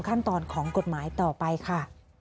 ขั้นตอนของกฎหมายต่อไปค่ะ